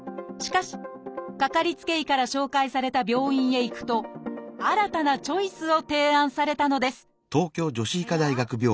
しかしかかりつけ医から紹介された病院へ行くと新たなチョイスを提案されたのです。